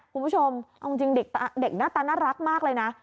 คุณผู้ชมเอาจริงเด็กหน้าตาน่ารักมากเลยนะ